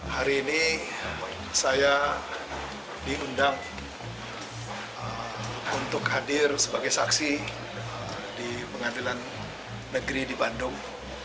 hari ini saya diundang untuk hadir sebagai saksi di pengadilan negeri di bandung